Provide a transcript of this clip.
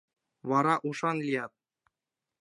Вара ушан лият...